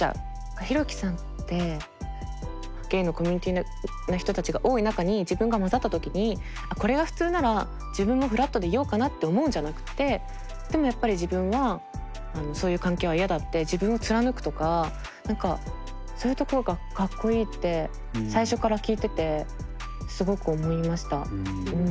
ヒロキさんってゲイのコミュニティーの人たちが多い中に自分が交ざった時にあっこれが普通なら自分もフラットでいようかなって思うんじゃなくてでもやっぱり自分はそういう関係は嫌だって自分を貫くとか何かそういうところがかっこいいって最初から聞いててすごく思いました。